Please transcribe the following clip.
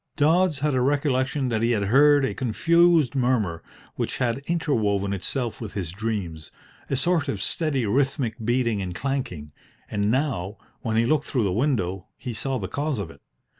Dodds had a recollection that he had heard a confused murmur, which had interwoven itself with his dreams a sort of steady rhythmic beating and clanking and now, when he looked through the window, he saw the cause of it.